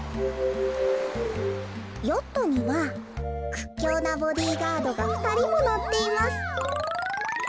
「ヨットにはくっきょうなボディーガードがふたりものっています」。